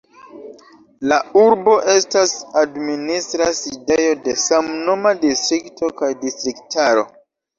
La urbo estas administra sidejo de samnoma distrikto kaj distriktaro.